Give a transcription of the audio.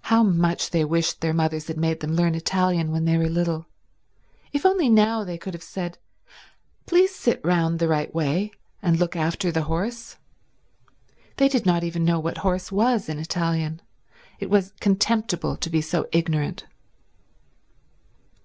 How much they wished their mothers had made them learn Italian when they were little. If only now they could have said, "Please sit round the right way and look after the horse." They did not even know what horse was in Italian. It was contemptible to be so ignorant.